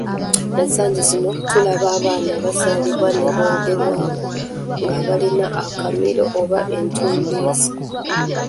Ensangi zino tulaba abaana abazaalibwa ne boogerwako ng’abalina akamiro oba ettumbiizi.